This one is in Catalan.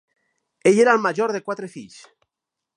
Ell era el major de quatre fills.